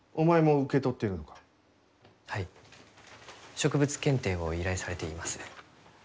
植物検定を依頼されています。